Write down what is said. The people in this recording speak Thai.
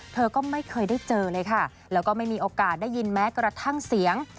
เธอก็ไม่เคยได้เจอเลยค่ะแล้วก็ไม่มีโอกาสได้ยินแม้กระทั่งเสียง